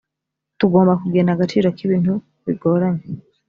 tugomba kugena agaciro k’ibintu bigoranye